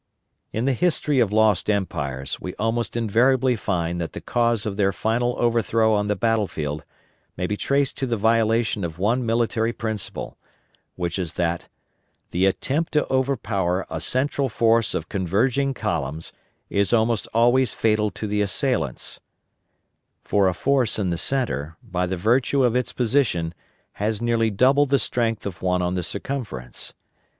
In the history of lost empires we almost invariably find that the cause of their final overthrow on the battle field may be traced to the violation of one military principle, which is that the attempt to overpower a central force of converging columns, is almost always fatal to the assailants, for a force in the centre, by the virtue of its position, has nearly double the strength of one on the circumference.